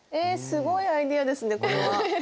すごいアイデアですねこれは。